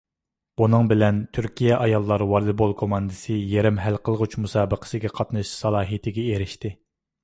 بۇنىڭ بىلەن، تۈركىيە ئاياللار ۋالىبول كوماندىسى يېرىم ھەل قىلغۇچ مۇسابىقىگە قاتنىشىش سالاھىيىتىگە ئېرىشتى.